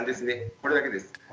これだけです。